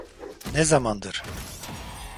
Ne zamandır?